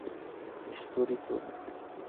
Misture tudo